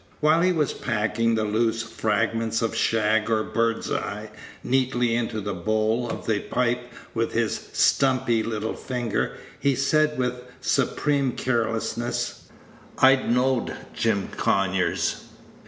While he was packing the loose fragments of shag or bird's eye neatly into the bowl of the pipe with his stumpy little finger, he said, with supreme carelessness: "I know'd Jim Conyers."